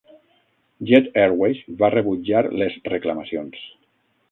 Jet Airways va rebutjar les reclamacions.